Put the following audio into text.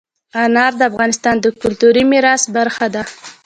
انار د افغانستان د کلتوري میراث برخه ده.